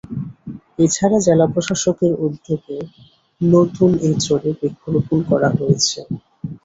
এ ছাড়া জেলা প্রশাসনের উদ্যোগে নতুন এ চরে বৃক্ষরোপণ করা হয়েছে।